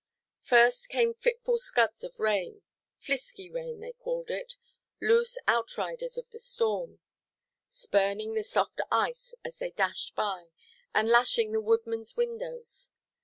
First came fitful scuds of rain, "flisky" rain they call it, loose outriders of the storm, spurning the soft ice, as they dashed by, and lashing the woodmanʼs windows.